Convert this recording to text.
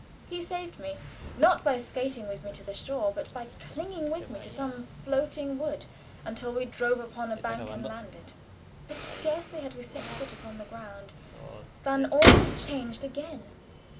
He saved me, not by skating with me to the shore, but by clinging with me to some floating wood until we drove upon a bank and landed. But scarcely had we set foot upon the ground, than all was changed again.